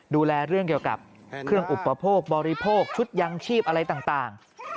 ดูแลเรื่องเกี่ยวกับเครื่องอุปโภคบริโภคชุดยังชีพอะไรต่าง